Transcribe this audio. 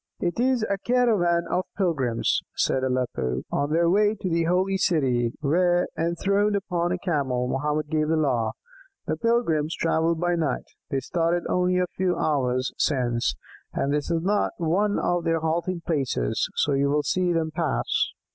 "It is a caravan of pilgrims," said Aleppo, "on their way to the Holy City, where, enthroned upon a Camel, Mohammed gave the law. The pilgrims travel by night; they started only a few hours since, and this is not one of their halting places, so you will see them pass."